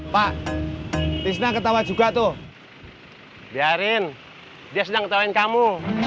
pak tisna ketawa juga tuh biarin dia sedang ketawain kamu